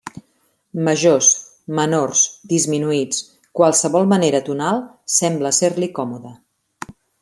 Majors, menors, disminuïts; qualsevol manera tonal sembla ser-li còmoda.